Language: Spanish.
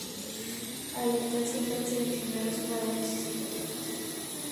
Al entrar se pueden seleccionar los jugadores y sus equipos.